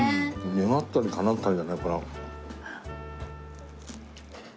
願ったり叶ったりだねこれは。